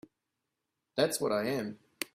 That's what I am.